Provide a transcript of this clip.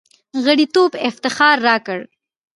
غړیتوب افتخار راکړ.